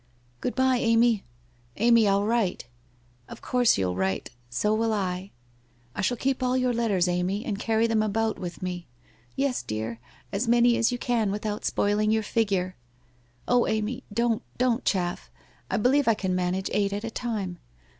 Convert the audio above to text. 'Good bye, Amy! Amy, Til write.' ' Of course you'll write. So will I.' ■J ' I shall keep all your letters, Amy, and carry them about with me.' 1 Yes, dear, as many as you can without spoiling your figure !'' Oh, Amy, don't, don't chaff ! I believe I can manage eight at a time.